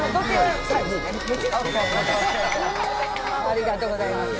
ありがとうございます。